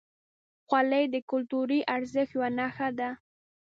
خولۍ د کلتوري ارزښت یوه نښه ده.